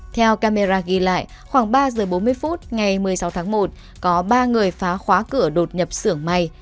theo camera ghi lại khoảng ba giờ bốn mươi phút ngày một mươi sáu tháng một có ba người phá khóa cửa đột nhập xưởng may